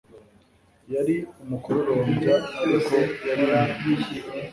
Yari umukororombya, ariko yari impumyi.